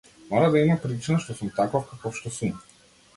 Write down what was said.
Мора да има причина што сум таков каков што сум.